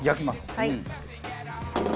はい。